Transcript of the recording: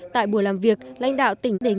tại buổi làm việc lãnh đạo tỉnh tuyên quang